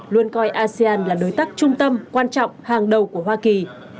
luôn coi asean là đối tác trung tâm quan trọng hàng đầu của hoa kỳ